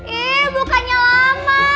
iiih bukannya lama